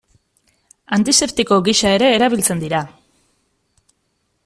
Antiseptiko gisa ere erabiltzen dira.